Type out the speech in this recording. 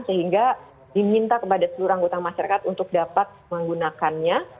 sehingga diminta kepada seluruh anggota masyarakat untuk dapat menggunakannya